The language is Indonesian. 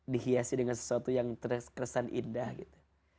dihiasi dengan sesuatu yang terkesan indah gitu